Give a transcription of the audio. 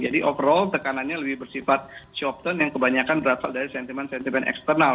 jadi overall tekanannya lebih bersifat short term yang kebanyakan berasal dari sentimen sentimen eksternal